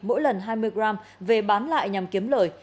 mỗi lần hai mươi g về bán lại nhằm kiếm lời